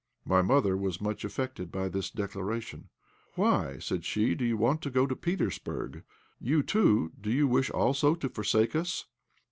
My mother was much affected by this declaration. "Why," said she, "do you want to go to Petersburg? You, too do you also wish to forsake us?"